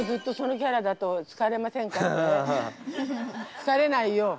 疲れないよ。